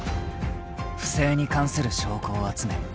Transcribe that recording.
［不正に関する証拠を集め